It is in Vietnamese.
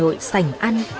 hà nội sành ăn